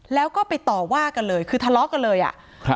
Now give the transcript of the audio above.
แล้วก็ไปต่อว่ากันเลยคือทะเลาะกันเลยอ่ะครับ